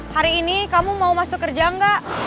hari ini kamu mau masuk kerja enggak